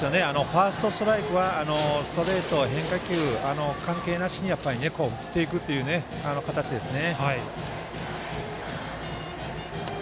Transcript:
ファーストストライクはストレート、変化球関係なしに振っていくという形ですね。